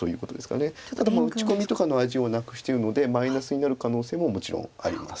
打ち込みとかの味をなくしてるのでマイナスになる可能性ももちろんあります。